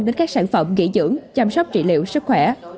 đến các sản phẩm nghỉ dưỡng chăm sóc trị liệu sức khỏe